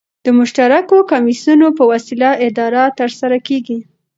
د مشترکو کمېسیونو په وسیله اداره ترسره کيږي.